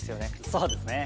そうですね。